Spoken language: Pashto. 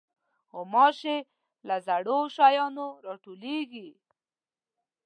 غوماشې له زړو شیانو راټوکېږي.